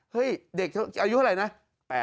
เฮ้ยเด็กเขาอายุเท่าไรนะ